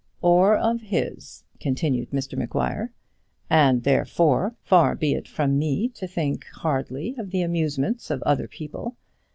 "Or of his," continued Mr Maguire; "and therefore far be it from me to think hardly of the amusements of other people.